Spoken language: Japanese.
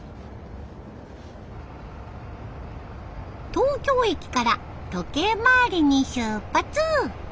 東京駅から時計回りに出発！